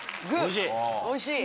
おいしい？